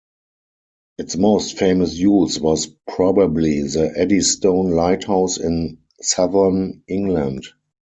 Its most famous use was probably the Eddystone Lighthouse in southern England.